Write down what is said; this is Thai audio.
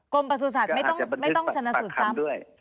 กรมประสุทธิ์สัตว์ไม่ต้องชันนสูตรซับ